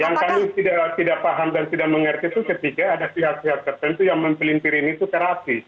yang kami tidak paham dan tidak mengerti itu ketika ada pihak pihak tertentu yang mempelimpirin itu terapi